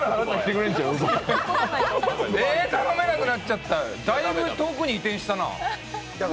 頼めなくなっちゃった、だいぶ遠くに移転したな。